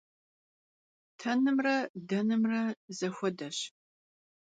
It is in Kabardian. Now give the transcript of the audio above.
Tenımre denımre zexuedeş.